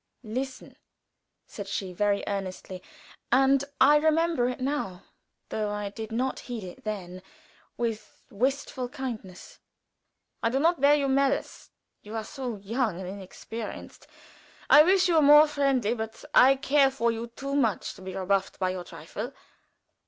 "Listen!" said she, very earnestly, and, I remember it now, though I did not heed it then, with wistful kindness. "I do not bear malice you are so young and inexperienced. I wish you were more friendly, but I care for you too much to be rebuffed by a trifle.